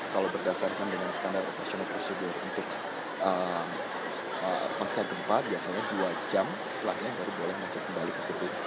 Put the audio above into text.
kalau berdasarkan dengan standar operasional prosedur untuk pasca gempa biasanya dua jam setelahnya baru boleh masuk kembali ke gedung